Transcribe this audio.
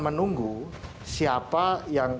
menunggu siapa yang